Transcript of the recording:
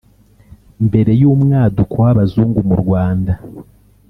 Mbere y’umwaduko w’Abazungu mu Rwanda